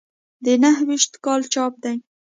د نهه ویشت کال چاپ دی.